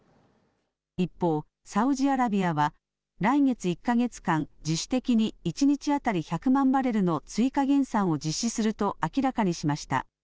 一方、サウジアラビアは来月１か月間、自主的に一日当たり１００万バレルの追加減産を実施すると明らかにしました。